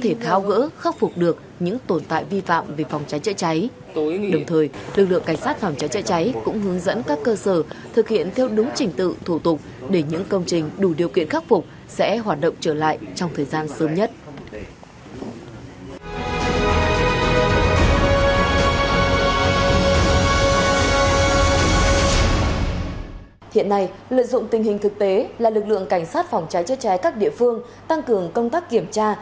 hiện nay lợi dụng tình hình thực tế là lực lượng cảnh sát phòng trái chết cháy các địa phương tăng cường công tác kiểm tra